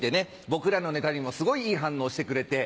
僕らのネタにもすごいいい反応してくれて。